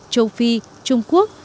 châu phi trung quốc